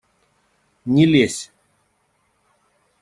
Не лезь!